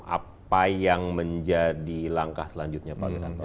apa yang menjadi langkah selanjutnya pak wiranto